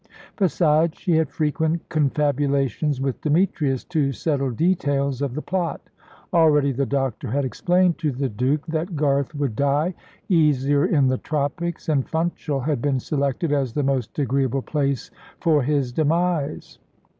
Besides, she had frequent confabulations with Demetrius, to settle details of the plot. Already the doctor had explained to the Duke that Garth would die easier in the tropics, and Funchal had been selected as the most agreeable place for his demise.